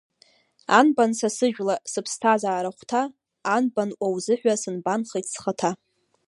Анбан са сыжәла, сыԥсҭазаара ахәҭа, Анбан уа узыҳәа сынбанхеит схаҭа!